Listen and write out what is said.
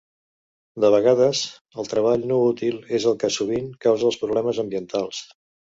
De vegades, el treball no útil és el que sovint causa els problemes ambientals.